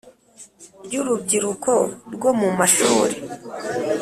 ry Urubyiruko rwo mu mashuri